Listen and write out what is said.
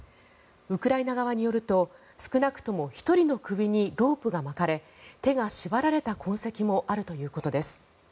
ウクライナ側によると少なくとも１人の首にロープが巻かれ手が縛られた痕跡もあるということです。